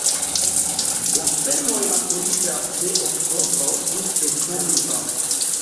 La semoj maturiĝas de oktobro ĝis decembro.